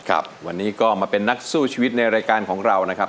ครับวันนี้ก็มาเป็นนักสู้ชีวิตในรายการของเรานะครับ